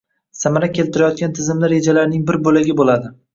samara keltirayotgan tizimli rejalarning bir bo‘lagi bo‘ladi.